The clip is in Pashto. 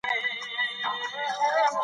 کله چې انځور جوړوو ژور فکر کوو.